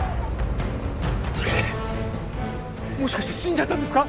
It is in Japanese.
もしかして死んじゃったんですか